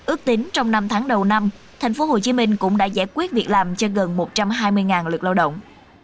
ước tính trong năm tháng đầu năm thành phố hồ chí minh cũng đã giải quyết việc làm cho gần một trăm hai mươi lượt lao động